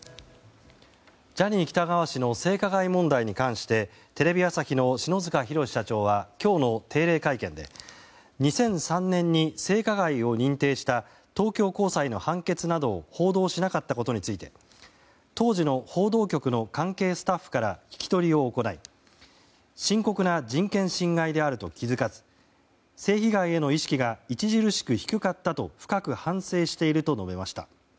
ジャニー喜多川氏の性加害問題に関してテレビ朝日の篠塚浩社長は今日の定例会見で２００３年に性加害を認定した東京高裁の判決などを報道しなかったことについて当時の報道局の関係スタッフから聞き取りを行い深刻な人権侵害であると気づかず性被害への意識が著しく低かったと深く反省していると述べました。